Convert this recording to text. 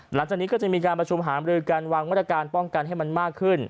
หลังจากนี้ก็จะมีการประชุมหามรือการวางมาตรการป้องกันให้มันมากขึ้น